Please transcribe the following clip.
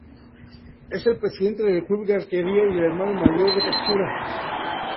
Es el presidente del club de arquería y el hermano mayor de Katsura.